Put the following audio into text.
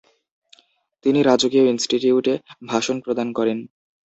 তিনি রাজকীয় ইনস্টিটিউটে ভাষণ প্রদান করেন।